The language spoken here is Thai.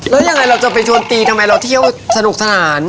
แล้วยังไงเราจะไปโจมตีทำไมเราเที่ยวสนุกสนาน